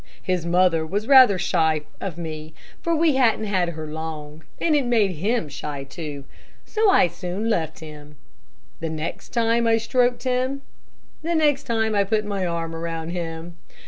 His mother was rather shy of me, for we hadn't had her long, and it made him shy too, so I soon left him. The next time I stroked him; the next time I put my arm around him.